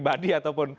jadi ini juga terjadi